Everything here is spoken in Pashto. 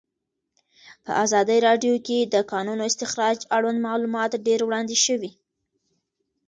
په ازادي راډیو کې د د کانونو استخراج اړوند معلومات ډېر وړاندې شوي.